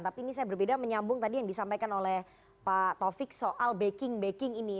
tapi ini saya berbeda menyambung tadi yang disampaikan oleh pak taufik soal backing backing ini